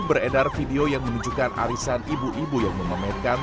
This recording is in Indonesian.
beredar video yang menunjukkan arisan ibu ibu yang memamerkan